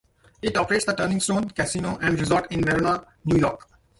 It operates the Turning Stone Casino and Resort in Verona, New York.